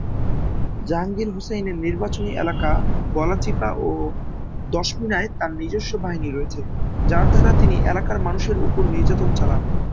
জাহাঙ্গীর হোসাইনের নির্বাচনী এলাকা গলাচিপা ও দশমিনায় তার নিজস্ব বাহিনী রয়েছে, যার দ্বারা তিনি এলাকার মানুষের উপর নির্যাতন চালান।